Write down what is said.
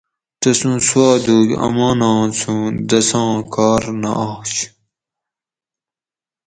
تسوں سُوادوگ اماناں سُوں دساں کار نہ آش